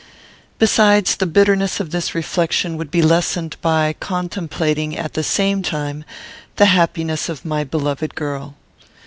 Besides, the bitterness of this reflection would be lessened by contemplating, at the same time, the happiness of my beloved girl.